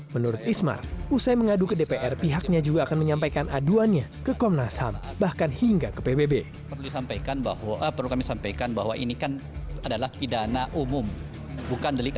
menurut ismar usai mengadu ke dpr pihaknya juga akan menyampaikan aduannya ke komnas ham bahkan hingga ke pbb